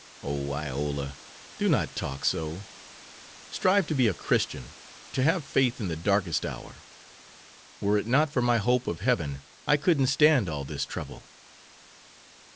"Oh, Iola, do not talk so. Strive to be a Christian, to have faith in the darkest hour. Were it not for my hope of heaven I couldn't stand all this trouble."